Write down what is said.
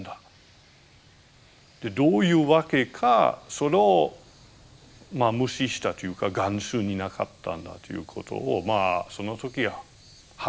どういうわけかそれを無視したというか眼中になかったんだということをまあその時反省したというか。